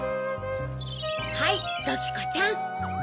はいドキコちゃん。